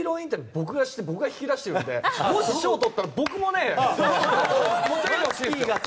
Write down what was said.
僕が聞いて引き出してるのでもし賞を取ったら、僕もね！